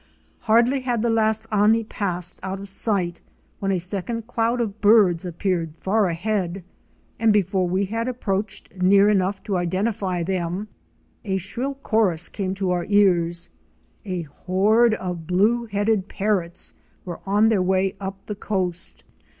Hardly had the last Ani passed out of sight when a second cloud of birds appeared far ahead, and before we had ap proached near enough to identify them a shrill chorus came to our ears; a horde of Blue headed Parrots" were on their way up the coast.